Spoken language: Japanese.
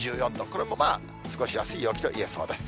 これもまあ、過ごしやすい陽気と言えそうです。